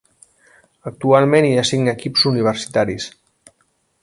Actualment hi ha cinc equips universitaris.